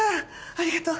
ありがとう。